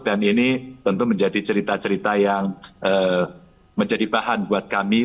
dan ini tentu menjadi cerita cerita yang menjadi bahan buat kami